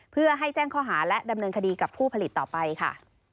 เพื่อให้แจ้งข้อหาและดำเนินคดีกับผู้ผลิตต่อไปค่ะ